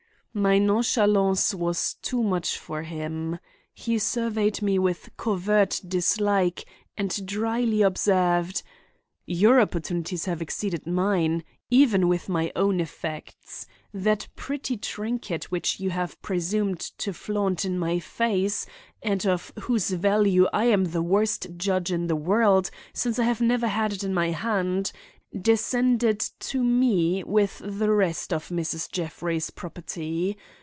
My nonchalance was too much for him. He surveyed me with covert dislike, and dryly observed "Your opportunities have exceeded mine, even with my own effects. That petty trinket which you have presumed to flaunt in my face—and of whose value I am the worst judge in the world since I have never had it in my hand—descended to me with the rest of Mrs. Jeffrey's property.